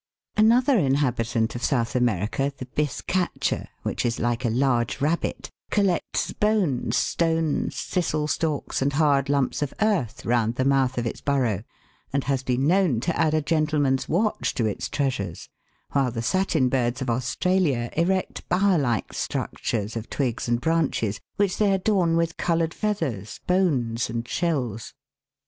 Another inhabitant of South America, the bizcacha, which is like a large rabbit, collects bones, stones, thistle stalks, and hard lumps of earth, round the mouth of its bur row, and has been known to add a gentleman's watch to its treasures ; while the satin birds of Australia erect bower like structures of twigs and branches, which they adorn with coloured feathers, bones, and shells.